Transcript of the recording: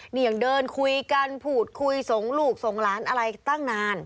นี่ยังเดินคุยกันพูดคุยส่งลูกส่งหลานอะไรตั้งนาน